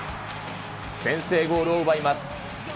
先制ゴールを奪います。